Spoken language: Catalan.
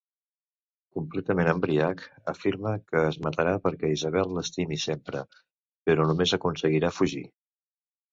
Completament embriac, afirma que es matarà perquè Isabel l'estimi sempre, però només aconseguirà fugir.